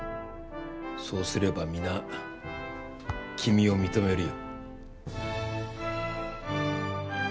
そうすれば皆君を認めるよ。